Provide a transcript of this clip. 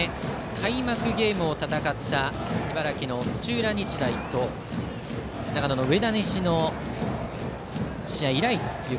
開幕ゲームを戦った茨城の土浦日大と長野の上田西の試合以来です。